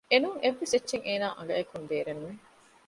އެނޫން އެއްވެސް އެއްޗެއް އޭނާގެ އަނގައަކުން ބޭރެއް ނުވެ